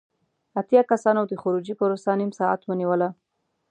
اتیا کسانو د خروجی پروسه نیم ساعت ونیوله.